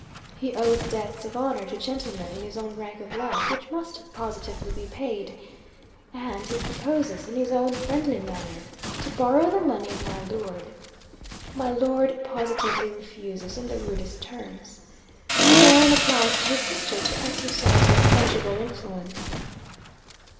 He owes debts of honour to gentlemen in his own rank of life, which must positively be paid; and he proposes, in his own friendly manner, to borrow the money of my Lord. My Lord positively refuses, in the rudest terms. The Baron applies to his sister to exercise her conjugal influence.